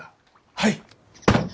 はい！